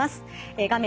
画面